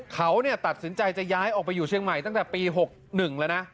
เขาตัดสินใจจะย้ายออกไปอยู่เชียงใหม่ตั้งแต่ปี๖๑แล้วนะ